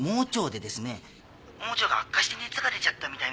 盲腸が悪化して熱が出ちゃったみたいな。